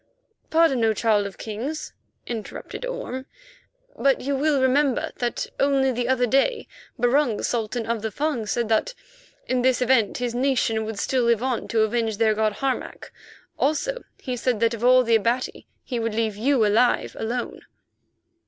"Pardon, O Child of Kings," interrupted Orme, "but you will remember that only the other day Barung, Sultan of the Fung, said that in this event his nation would still live on to avenge their god, Harmac. Also he said that of all the Abati he would leave you alive alone."